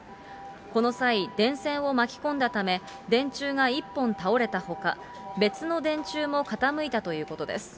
この際、電線を巻き込んだため、電柱が１本倒れたほか、別の電柱も傾いたということです。